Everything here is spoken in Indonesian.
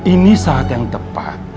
ini saat yang tepat